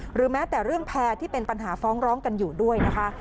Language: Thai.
หรือแม้แต่เรื่องแพร่ที่เป็นปัญหาฟ้องร้องกันอยู่ด้วยนะคะ